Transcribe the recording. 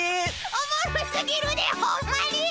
おもろすぎるでホンマに！